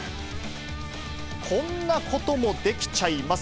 こんなこともできちゃいます。